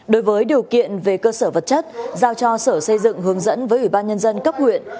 đối với điều kiện về cơ sở vật chất giao cho sở xây dựng hướng dẫn với ủy ban nhân dân cấp huyện